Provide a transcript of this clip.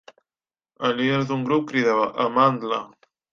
El líder d'un grup cridava "Amandla!"